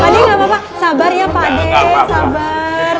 pade gapapa sabar ya pade sabar